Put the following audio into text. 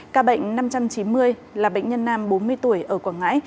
ca bệnh năm trăm chín mươi là bệnh nhân nam bốn mươi tuổi ở quảng ngãi